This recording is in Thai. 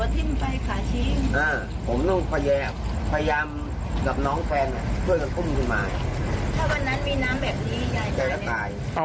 ถ้าวันนั้นมีน้ำแบบนี้ยายแกจะตาย